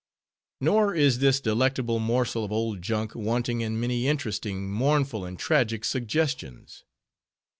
Nor is this delectable morsel of old junk wanting in many interesting, mournful, and tragic suggestions.